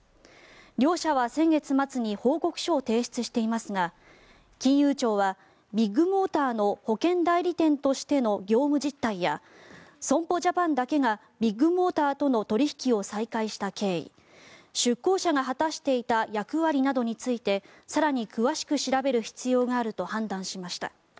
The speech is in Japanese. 両社は先月末に報告書を提出していますが金融庁はビッグモーターの保険代理店としての業務実態や損保ジャパンだけがビッグモーターとの取引を再開した経緯出向者が果たしていた役割などについて更に詳しく調べる必要があると判断しました。